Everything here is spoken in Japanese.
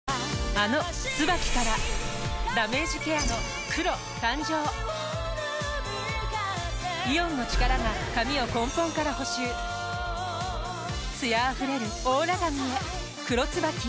あの「ＴＳＵＢＡＫＩ」からダメージケアの黒誕生イオンの力が髪を根本から補修艶あふれるオーラ髪へ「黒ＴＳＵＢＡＫＩ」